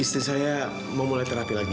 istri saya mau mulai terapi lagi